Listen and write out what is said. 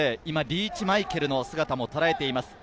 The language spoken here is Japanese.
リーチ・マイケルの姿をとらえています。